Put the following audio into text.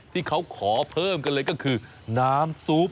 ที่เขาขอเพิ่มกันเลยก็คือน้ำซุป